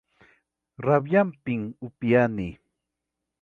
Rabiaypim upiani.